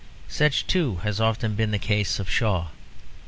Such has too often been the case of Shaw.